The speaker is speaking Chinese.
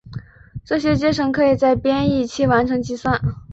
这些阶乘可以在编译期完成计算。